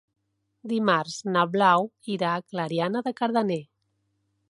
Dimarts na Blau irà a Clariana de Cardener.